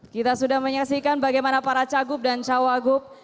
kita sudah menyaksikan bagaimana para cagup dan cawagup